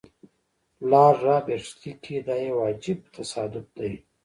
لارډ رابرټس لیکي دا یو عجیب تصادف دی.